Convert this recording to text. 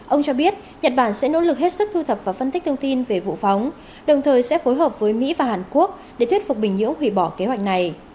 ông cho biết nhật bản sẽ nỗ lực hết sức thu thập và phân tích thông tin về vụ phóng đồng thời sẽ phối hợp với mỹ và hàn quốc để thuyết phục bình nhưỡng hủy bỏ kế hoạch này